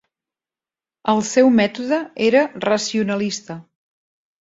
El seu mètode era racionalista.